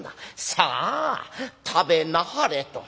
『さあ食べなはれ』と。